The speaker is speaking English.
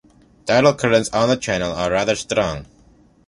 Tidal currents on the channel are rather strong.